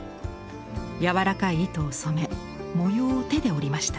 柔らかい糸を染め模様を手で織りました。